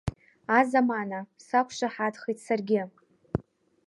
Азамана, сақәшаҳаҭхеит саргьы.